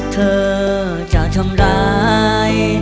เธอจะทำร้าย